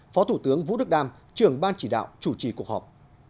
phó thủ tướng vũ đức đam trưởng ban chỉ đạo chủ trì cuộc họp